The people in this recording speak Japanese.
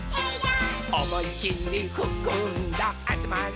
「おもいきりふくんだあつまれ」